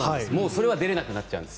それは出れなくなっちゃうんです。